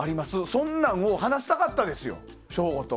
そんなんもう話したかったですよ省吾と。